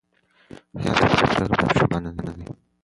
حیات الله په خپله پرېکړه باندې پښېمانه دی.